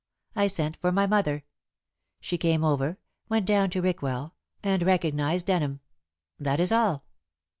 I sent for my mother. She came over, went down to Rickwell, and recognized Denham. That is all."